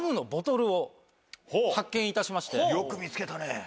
よく見つけたね。